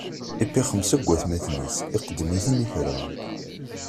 iwwi xemsa seg watmaten-is, iqeddem-iten i Ferɛun.